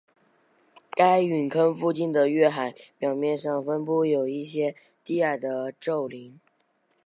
该陨坑附近的月海表面上分布有一些低矮的皱岭。